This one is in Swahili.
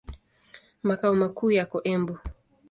Makao makuu yako Embu.